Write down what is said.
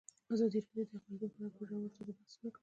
ازادي راډیو د اقلیتونه په اړه په ژوره توګه بحثونه کړي.